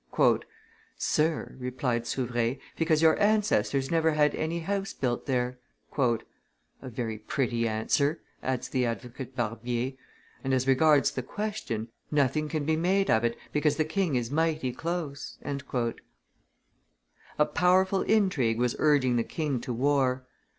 "Sir," replied Souvre, because your ancestors never had any house built there." "A very pretty answer," adds the advocate Barbier; "and as regards the question, nothing can be made of it, because the king is mighty close." A powerful intrigue was urging the king to war.